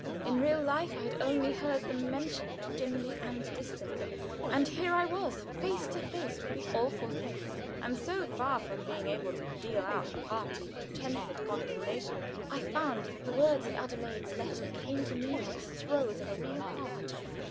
In real life I had only heard them mentioned dimly and distantly, and here I was face to face with the awful thing, and so far from being able to deal out hearty, untempered condemnation, I found that the words of Adelaide's letter came to me like throes of a real heart.